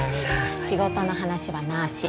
仕事の話はなし